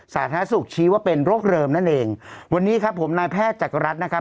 สาธารณสุขชี้ว่าเป็นโรคเริมนั่นเองวันนี้ครับผมนายแพทย์จักรรัฐนะครับ